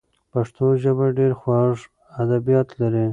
پښتو ژبه ډېر خوږ ادبیات لري.